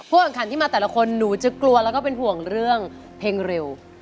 แข่งขันที่มาแต่ละคนหนูจะกลัวแล้วก็เป็นห่วงเรื่องเพลงเร็ว